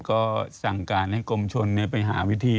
ก็สั่งการให้กรมชนไปหาวิธี